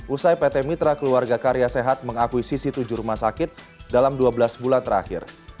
usai pt mitra keluarga karya sehat mengakuisisi tujuh rumah sakit dalam dua belas bulan terakhir